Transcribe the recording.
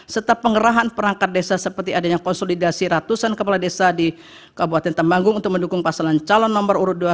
serta pengerahan perangkat desa seperti adanya konsolidasi ratusan kepala desa di kabupaten tembanggung untuk mendukung pasangan calon nomor urut dua